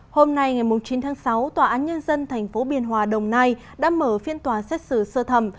hôm nay ngày chín tháng sáu tòa án nhân dân tp biên hòa đồng nai đã mở phiên tòa xét xử sơ thẩm